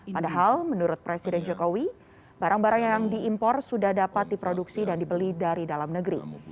padahal menurut presiden jokowi barang barang yang diimpor sudah dapat diproduksi dan dibeli dari dalam negeri